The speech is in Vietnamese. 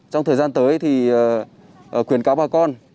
trong thời gian tới thì quyền cáo bà con